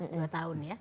dua tahun ya